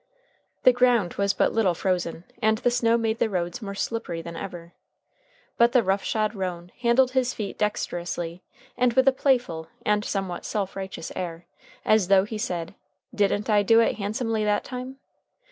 The ground was but little frozen, and the snow made the roads more slippery than ever. But the rough shod roan handled his feet dexterously and with a playful and somewhat self righteous air, as though he said: "Didn't I do it handsomely that time?"